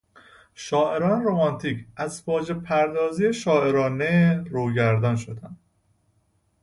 شاعران رومانتیک از واژپردازی شاعرانه روگردان شدند.